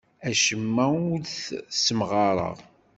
Acemma ur t-ssemɣareɣ.